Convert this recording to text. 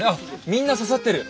みんな刺さってる。